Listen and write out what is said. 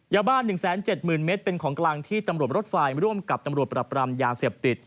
ยาบ้าน๑๗๐๐เมตรเป็นของกลางที่ตำรวจรถไฟร่วมกับตำรวจปรับปรามยาเสพติด